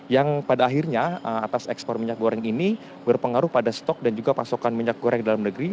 yang pada akhirnya atas ekspor minyak goreng ini berpengaruh pada stok dan juga pasokan minyak goreng dalam negeri